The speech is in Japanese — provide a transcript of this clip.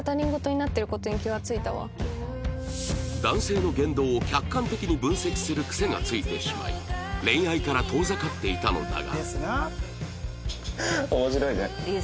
男性の言動を客観的に分析する癖がついてしまい恋愛から遠ざかっていたのだが